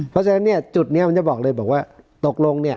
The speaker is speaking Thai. เพราะฉะนั้นจุดนี้มันจะว่าตกลงเนี่ย